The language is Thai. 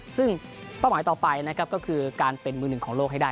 ซึ่งเป้าหมายต่อไปนะครับก็คือการเป็นมือหนึ่งของโลกให้ได้